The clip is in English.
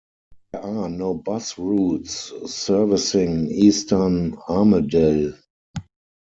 There are no bus routes servicing eastern Armadale.